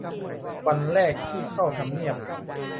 วันแรกที่เข้าทำเนียบ